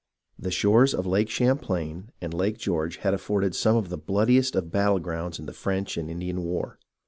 The shores of Lake Champlain and Lake George had afforded some of the bloodiest of battle grounds in the French and Indian War.